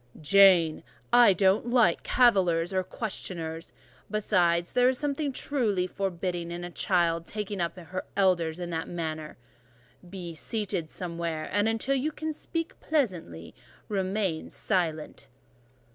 "Jane, I don't like cavillers or questioners; besides, there is something truly forbidding in a child taking up her elders in that manner. Be seated somewhere; and until you can speak pleasantly, remain silent."